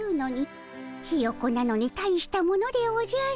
全くヒヨコなのに大したものでおじゃる。